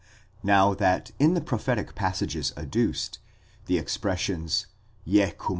Now that in the prophetic passages adduced, the expressions 73} 03?